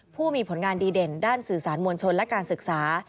ผู้มีผลงานดีเด่นด้านสื่อสารมวลชนและการศึกษา